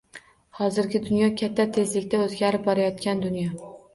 Hozirgi dunyo — katta tezlikda o‘zgarib borayotgan dunyo.